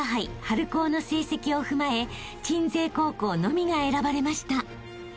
春高の成績を踏まえ鎮西高校のみが選ばれました］